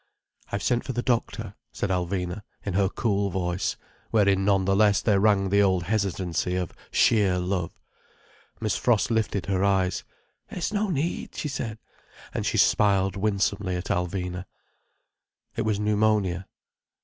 "I've sent for the doctor," said Alvina, in her cool voice, wherein none the less there rang the old hesitancy of sheer love. Miss Frost lifted her eyes: "There's no need," she said, and she smiled winsomely at Alvina. It was pneumonia.